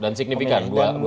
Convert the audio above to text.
dan signifikan dua kali bukan